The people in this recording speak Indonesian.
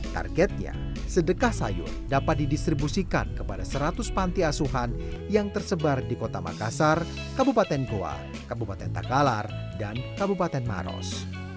targetnya sedekah sayur dapat didistribusikan kepada seratus panti asuhan yang tersebar di kota makassar kabupaten goa kabupaten takalar dan kabupaten maros